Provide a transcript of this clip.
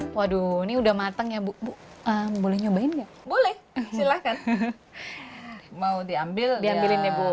waduh ini udah matang ya bu boleh nyobain nggak boleh silahkan mau diambil diambilin ya bu